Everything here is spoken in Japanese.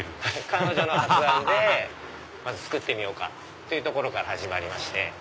彼女の発案で作ってみようかってとこから始まりまして。